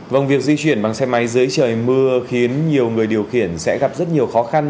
vâng việc di chuyển bằng xe máy dưới trời mưa khiến nhiều người điều khiển sẽ gặp rất nhiều khó khăn